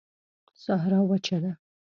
صحرا وچه ده